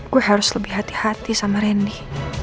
gue harus lebih hati hati sama randy